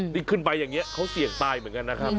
นี่ขึ้นไปอย่างนี้เขาเสี่ยงตายเหมือนกันนะครับ